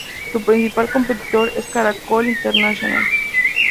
Su principal competidor es Caracol Internacional.